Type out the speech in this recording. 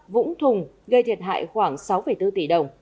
vũng thùng gây thiệt hại khoảng sáu bốn tỷ